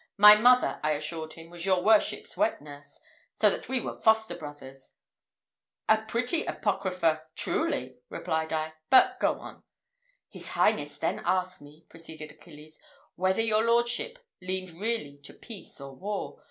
My mother, I assured him, was your worship's wet nurse, so that we were foster brothers." "A pretty apocrypha truly!" replied I; "but go on." "His highness then asked me," proceeded Achilles, "whether your lordship leaned really to peace or war.